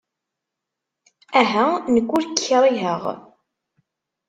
Aha, nekk ur k-kṛiheɣ.